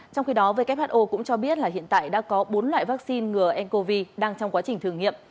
trong khi đó who cũng cho biết là hiện tại đã có bốn loại vaccine ngừa ncov đang trong quá trình thử nghiệm